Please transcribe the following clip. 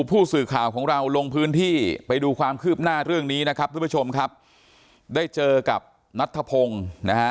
ผู้สื่อข่าวของเราลงพื้นที่ไปดูความคืบหน้าเรื่องนี้นะครับทุกผู้ชมครับได้เจอกับนัทธพงศ์นะฮะ